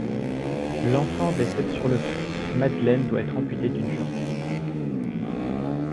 L'enfant décède sur le coup, Madeleine doit être amputée d'une jambe.